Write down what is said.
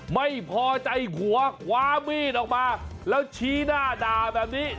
ไม่พอใจผัวคว้ามีดออกมาแล้วชี้หน้าด่าแบบนี้